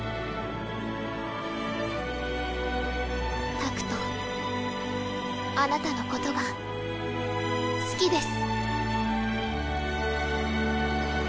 タクトあなたのことが好きです。